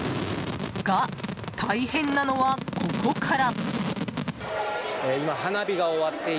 が、大変なのはここから。